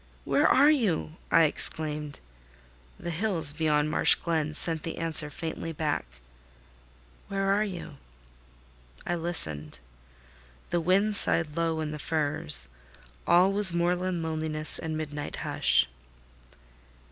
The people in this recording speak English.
"Where are you?" I exclaimed. The hills beyond Marsh Glen sent the answer faintly back—"Where are you?" I listened. The wind sighed low in the firs: all was moorland loneliness and midnight hush.